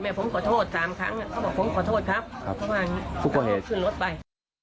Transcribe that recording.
มาผมขอโทษ๓ครั้งผมขอโทษครับขึ้นรถไป